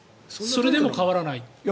それでも変わらない？